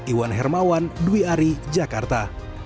iwan hermawan dwi ari jakarta